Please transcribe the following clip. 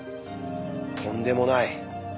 とんでもない！